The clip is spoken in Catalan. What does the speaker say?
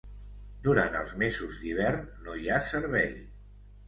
Durant els mesos d'hivern no hi ha servei.